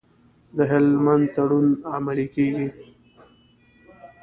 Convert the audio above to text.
د هلمند تړون عملي کیږي؟